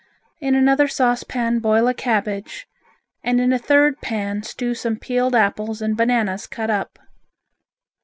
In another saucepan boil a cabbage, and in a third pan stew some peeled apples and bananas cut up.